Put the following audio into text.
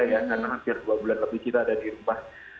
karena hampir dua bulan lagi kita ada di rumah